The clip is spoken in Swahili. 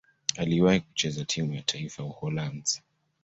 Aliwahi kucheza timu ya taifa ya Uholanzi.